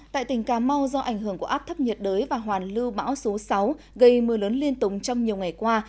tại tỉnh cà mau do ảnh hưởng của áp thấp nhiệt đới và hoàn lưu bão số sáu gây mưa lớn liên tục trong nhiều ngày qua